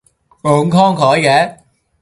咁慷慨嘅